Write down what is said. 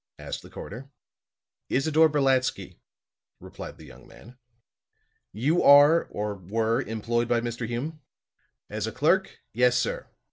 asked the coroner. "Isidore Brolatsky," replied the young man. "You are, or were, employed by Mr. Hume?" "As a clerk, yes, sir.